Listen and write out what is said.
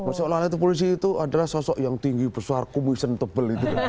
masalahnya itu polisi itu adalah sosok yang tinggi bersuara komisen tebal itu